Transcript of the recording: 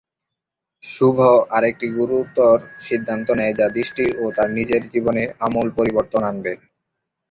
শুভ আরেকটি গুরুতর সিদ্ধান্ত নেয়, যা দৃষ্টি ও তার নিজের জীবনে আমূল পরিবর্তন আনবে।